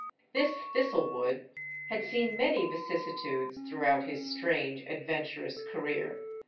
This Thistlewood had seen many vicissitudes throughout his strange, adventurous career.